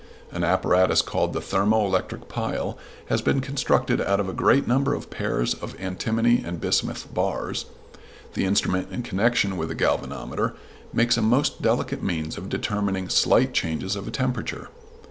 An apparatus called the thermo electric pile has been constructed out of a great number of pairs of antimony and bismuth bars. This instrument in connection with a galvanometer makes a most delicate means of determining slight changes of temperature.